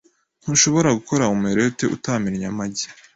Ntushobora gukora omelette utamennye amagi .